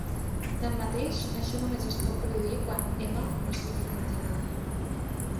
Tanmateix, això només es pot produir quan "M" no sigui contínua.